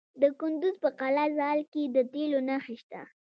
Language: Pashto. د کندز په قلعه ذال کې د تیلو نښې شته.